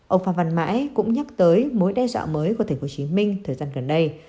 ông phan văn mãi cũng nhắc tới mối đe dọa mới của tp hcm thời gian gần đây